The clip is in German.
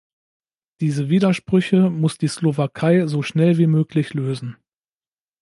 Diese Widersprüche muss die Slowakei so schnell wie möglich lösen.